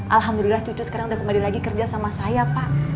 alhamdulillah cucu sekarang udah kembali lagi kerja sama saya pak